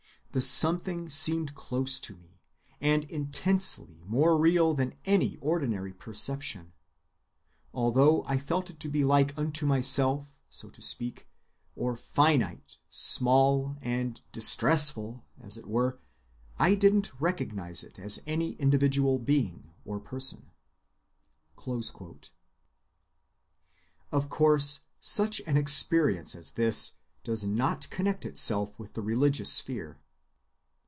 The something seemed close to me, and intensely more real than any ordinary perception. Although I felt it to be like unto myself, so to speak, or finite, small, and distressful, as it were, I didn't recognize it as any individual being or person." Of course such an experience as this does not connect itself with the religious sphere.